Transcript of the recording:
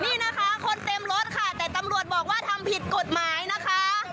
นี่นะคะคนเต็มรถค่ะแต่ตำรวจบอกว่าทำผิดกฎหมายนะคะ